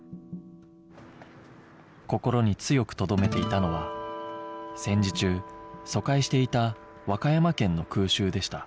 心に強くとどめていたのは戦時中疎開していた和歌山県の空襲でした